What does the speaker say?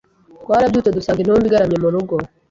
Twarabyutse dusanga intumbi igaramye mu rugo